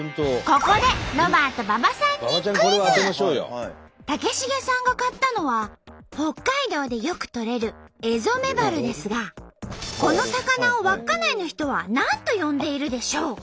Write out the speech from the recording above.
ここで武重さんが買ったのは北海道でよくとれるエゾメバルですがこの魚を稚内の人は何と呼んでいるでしょう？